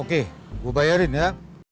oke gua bayarin ya